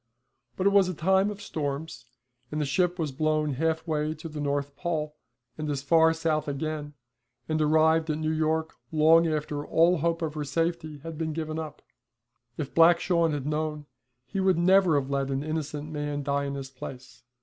But it was a time of storms, and the ship was blown half way to the North Pole, and as far south again, and arrived at New York long after all hope of her safety had been given up. If Black Shawn had known he would never have let an innocent man die in his place.